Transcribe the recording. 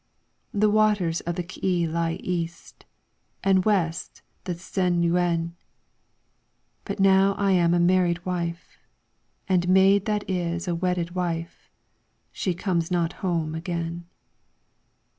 The waters of the K'e lie east, And west the Ts'en yuen. But now am I a married wife, And maid that is a wedded wife. She comes not home again.